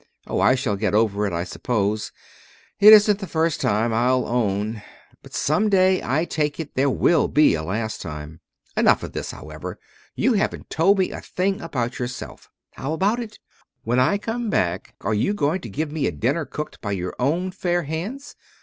"Oh, I shall get over it, I suppose. It isn't the first time, I'll own but some day I take it there will be a last time. Enough of this, however! You haven't told me a thing about yourself. How about it? When I come back, are you going to give me a dinner cooked by your own fair hands?